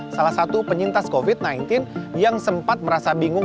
salah satu penyintas covid sembilan belas yang sempat merasa bingung